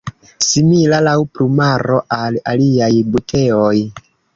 Simila laŭ plumaro al aliaj buteoj.